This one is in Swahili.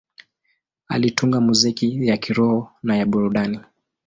Alitunga muziki ya kiroho na ya burudani.